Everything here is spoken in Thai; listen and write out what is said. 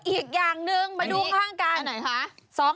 อีกอย่างนึงมาดูข้างกัน